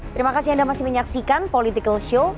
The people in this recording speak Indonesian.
terima kasih anda masih menyaksikan politikalshow